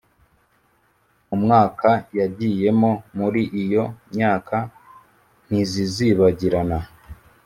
mu mwaka yagiyemo muri iyo myaka ntizizibagirana